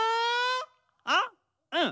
あっうん。